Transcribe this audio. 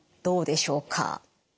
どうでしょうか？